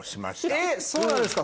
えっそうなんですか？